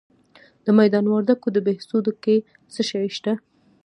د میدان وردګو په بهسودو کې څه شی شته؟